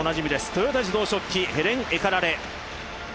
豊田自動織機ヘレン・エカラレ。